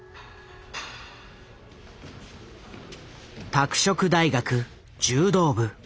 拓殖大学柔道部。